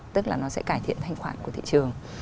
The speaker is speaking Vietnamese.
tức là nó sẽ cải thiện thanh khoản của thị trường